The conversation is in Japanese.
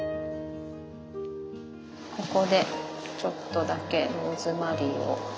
ここでちょっとだけローズマリーを。